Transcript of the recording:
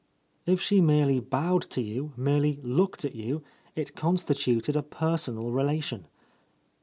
If she merely bowed to you, merely looked at you, it constituted a per sonal relation.